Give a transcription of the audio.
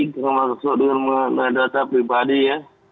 termasuk dengan mengenai data pribadi ya